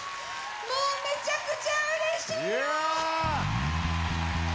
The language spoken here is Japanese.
もうめちゃくちゃうれしいよ！